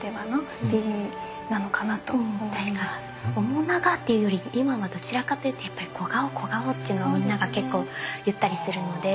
面長っていうより今はどちらかというとやっぱり小顔小顔っていうのをみんなが結構言ったりするので。